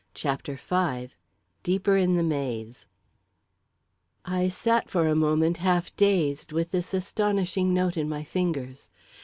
CHAPTER V Deeper in the Maze I sat for a moment half dazed, with this astonishing note in my fingers.